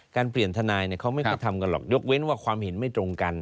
เปลี่ยนทนายเขาไม่ค่อยทำกันหรอกยกเว้นว่าความเห็นไม่ตรงกัน